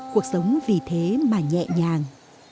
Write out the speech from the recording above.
cuộc sống vì thế mà nhẹ nhàng